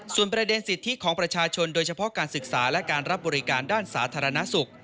ส่วนประเด็นสิทธิของประชาชนโดยเฉพาะการศึกษาและการรับบริการด้านสาธารณสุข